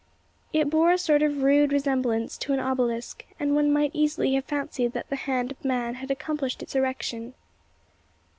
It bore a sort of rude resemblance to an obelisk; and one might easily have fancied that the hand of man had accomplished its erection.